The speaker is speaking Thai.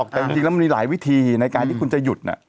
แต่จริงแล้วมันมีหลายวิธีในการที่คุณจะหยุด